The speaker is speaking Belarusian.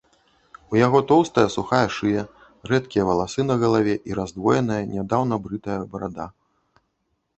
У яго тоўстая, сухая шыя, рэдкія валасы на галаве і раздвоеная, нядаўна брытая барада.